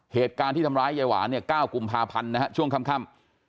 เหตุการณ์ที่ทำร้ายยายหวานเนี่ย๙กุมภาพันธ์นะฮะช่วงค่ำ